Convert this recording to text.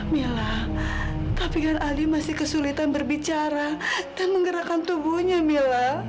mila tapi kan aldi masih kesulitan berbicara dan menggerakkan tubuhnya mila